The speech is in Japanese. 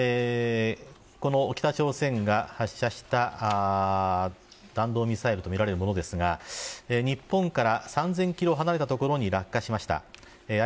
この北朝鮮が発射した弾道ミサイルとみられるものですが日本から３０００キロ離れた所に落下しました。